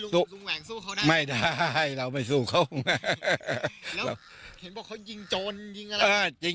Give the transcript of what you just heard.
สู้เขาได้ไหมลุงแหวงสู้เขาได้ไหม